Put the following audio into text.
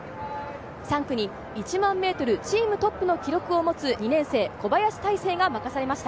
３区に１００００ｍチームトップの記録を持つ２年生・小林大晟が任されました。